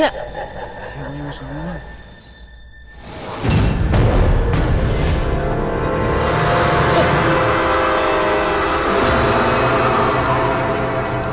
ya gua juga sama